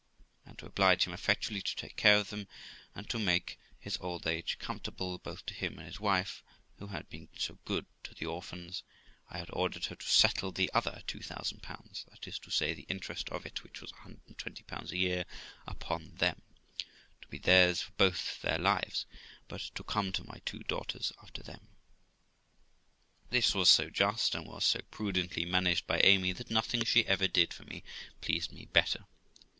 And, to oblige him effectually to take care of them, and to make his old age comfortable both to him and his wife, who had been so good to the orphans, I had ordered her to settle the other 2000, that is to say, the interest of it, which was 120 a year, upon them, to be theirs for both their lives, but to come to my two daughters after them. This was so just, and was so prudently managed by Amy, that nothing she ever did for me pleased me better.